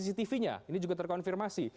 cctv nya ini juga terkonfirmasi